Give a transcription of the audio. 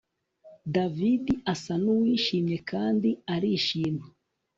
David asa nuwishimye kandi arishimye